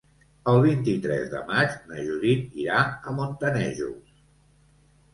El vint-i-tres de maig na Judit irà a Montanejos.